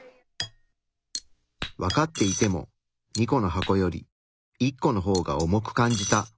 分かっていても２個の箱より１個の方が重く感じた。